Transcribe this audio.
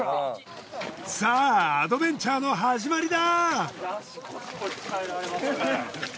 さあアドベンチャーの始まりだ。